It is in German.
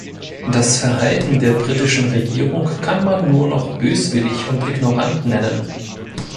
Das Verhalten der britischen Regierung kann man nur noch böswillig und ignorant nennen.